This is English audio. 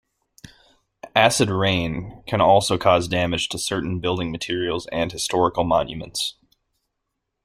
Acid rain can also cause damage to certain building materials and historical monuments.